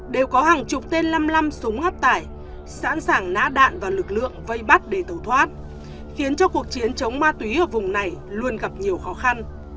đều có hàng chục tên năm mươi năm súng áp tải sẵn sàng ná đạn vào lực lượng vây bắt để tẩu thoát khiến cho cuộc chiến chống ma túy ở vùng này luôn gặp nhiều khó khăn